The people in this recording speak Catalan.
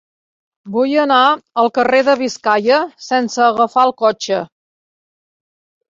Vull anar al carrer de Biscaia sense agafar el cotxe.